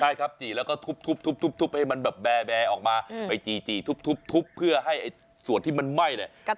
ใช่ครับจี่แล้วก็ทุบให้มันแบบแบร์ออกมาไปจี่ทุบเพื่อให้ส่วนที่มันไหม้เนี่ย